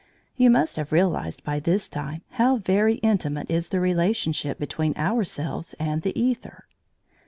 You must have realised by this time how very intimate is the relationship between ourselves and the æther.